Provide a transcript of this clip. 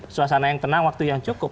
suasana yang tenang waktu yang cukup